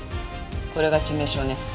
これが致命傷ね。